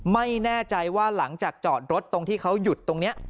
ไม่แน่ใจว่าหลังจากจอดรถตรงที่เขาหยุดตรงนี้